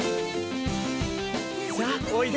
さあおいで。